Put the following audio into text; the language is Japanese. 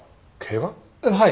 はい。